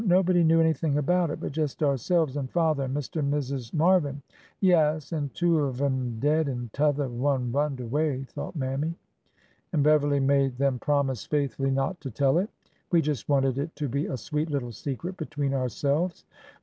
Nobody knew anything about it but just ourselves and father and Mr. and Mrs. Mar vin,"— (" Yaas, an' two of 'em dead an' t'other one runned away! " thought Mammy),— '' and Beverly made them promise faithfully not to tell it. We just wanted it to be a sweet little secret between ourselves.